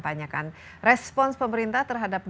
tanyakan respons pemerintah terhadap